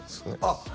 あっ